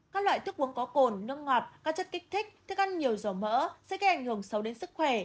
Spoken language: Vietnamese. các loại thức uống có cồn nước ngọt các chất kích thích thức ăn nhiều dầu mỡ sẽ gây ảnh hưởng sâu đến sức khỏe